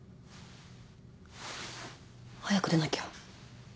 早く出なきゃ。